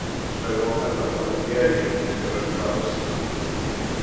მწვერვალთან გაყვანილია იუნგფრაუს რკინიგზა.